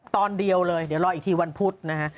ตอนเดียวเลยเดี๋ยวรออีกทีวันพุธนะฮะ